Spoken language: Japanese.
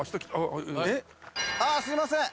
あすいません。